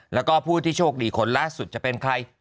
แล้วก็ผู้ที่โชคดีคนล่าสุดจะเป็นใคร